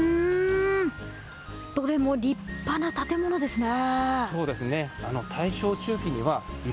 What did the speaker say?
どれも立派な建物ですね。